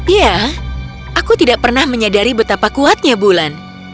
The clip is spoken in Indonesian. ya aku tidak pernah menyadari betapa kuatnya bulan